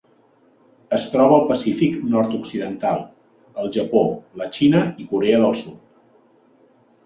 Es troba al Pacífic nord-occidental: el Japó, la Xina i Corea del Sud.